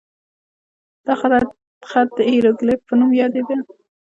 دا خط د هیروګلیف په نوم یادېده.